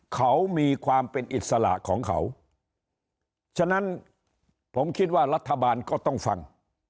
เขามีความเป็นอิสระของเขาฉะนั้นผมคิดว่ารัฐบาลก็ต้องฟัง